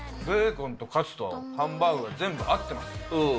ベーコンとカツとハンバーグが全部合ってます。